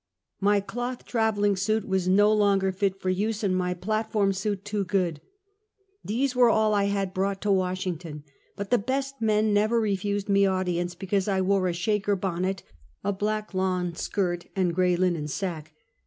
My cloth traveling suit was no longer fit for use, and my platform suit too good. These were all 1 had brought to "Washington; but the best men never re fused me audience because I wore a shaker bonnet, a black lawn skirt and gray linen sack.